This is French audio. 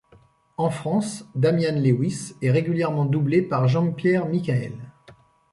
En France, Damian Lewis est régulièrement doublé par Jean-Pierre Michaël.